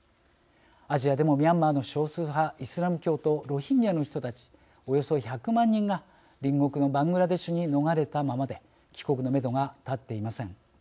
アジアでもミャンマーの少数派イスラム教徒ロヒンギャの人たちおよそ１００万人が隣国のバングラデシュに逃れたままで帰国のめどが立っていません。